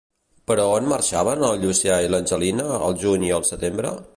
Però on marxaven el Llucià i l'Angelina al juny i al setembre?